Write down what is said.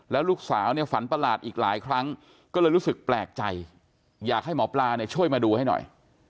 แล้วลูกสาวเนี่ยฝันประหลาดอีกหลายครั้งก็เลยรู้สึกแปลกใจอยากให้หมอปลาเนี่ยช่วยมาดูให้หน่อย